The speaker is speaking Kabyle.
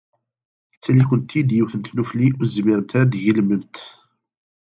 Tettali-kent-id yiwet n tnufli ur tezmiremt ara ad d-tgelmemt.